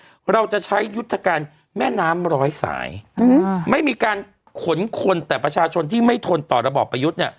เราจะใช้ยุทธการแม่น้ำร้อยสายอืมไม่มีการขนคนแต่ประชาชนที่ไม่ทนต่อระบอบประยุทธ์เนี่ย